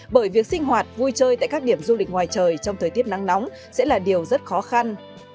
bởi việc sinh hoạt vui chơi tại các điểm du lịch ngoài trời trong thời tiết nắng nóng sẽ là điều rất khó khăn